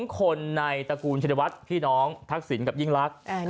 ๒คนในตระกูลชินวัฒน์พี่น้องทักษิณกับยิ่งลักษณ์